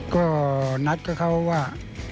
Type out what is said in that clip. ก็นัดกับเขาว่า